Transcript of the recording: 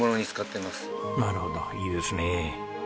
なるほどいいですね。